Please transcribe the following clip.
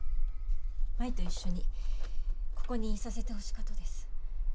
舞と一緒にここにいさせてほしかとです。